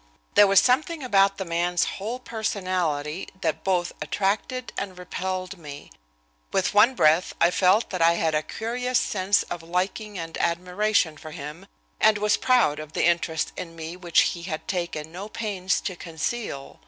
There was something about the man's whole personality that both attracted and repelled me. With one breath I felt that I had a curious sense of liking and admiration for him, and was proud of the interest in me, which he had taken no pains to conceal.